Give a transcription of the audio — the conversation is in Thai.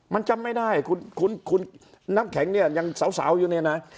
มันจำไม่ได้คุณน้ำแข็งเนี่ยยังสาวอยู่เนี่ยนะ